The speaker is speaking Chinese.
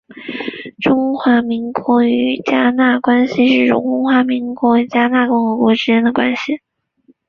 中华民国与迦纳关系是指中华民国与迦纳共和国之间的关系。